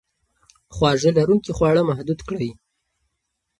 خواږه لرونکي خواړه محدود کړئ.